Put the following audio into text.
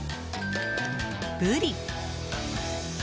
ブリ。